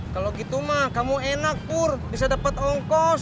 kalo gitu mah kamu enak pur bisa dapet ongkos